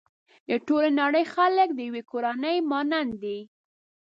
د ټولې نړۍ خلک د يوې کورنۍ مانند دي.